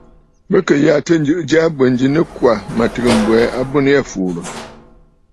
Bɨ kɨ̀ yàtə̂ ǹjɨ̀ʼɨ̀ ja ɨ̀bwèn ji nɨkwà, mə̀ tɨgə̀ m̀bwɛɛ abwen yî fùùrə̀.